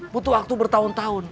butuh waktu bertahun tahun